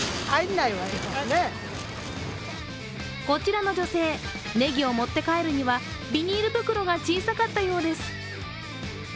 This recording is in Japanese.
こちらの女性、ねぎを持って帰るにはビニール袋が小さかったようです。